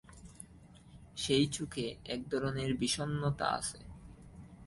সেই চোখে একধরনের বিষণ্ণতা আছে।